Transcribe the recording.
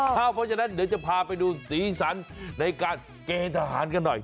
เพราะฉะนั้นเดี๋ยวจะพาไปดูสีสันในการเกณฑ์ทหารกันหน่อย